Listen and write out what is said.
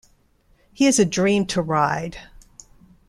He is a dream to ride.